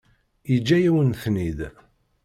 Yeǧǧa-yawen-ten-id.